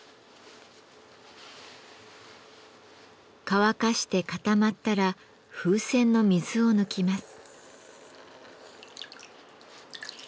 乾かして固まったら風船の水を抜きます。